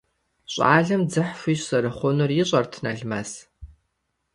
ЩӀалэм дзыхь хуищӀ зэрыхъунур ищӀэрт Налмэс.